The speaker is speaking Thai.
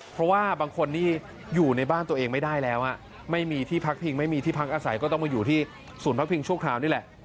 เพราะว่าบางคนนี่อยู่ในบ้านตัวเองไม่ได้แล้วไม่มีที่พักพิงไม่มีที่พักอาศัยก็ต้องมาอยู่ที่ศูนย์พักพิงชั่วคราวนี่แหละ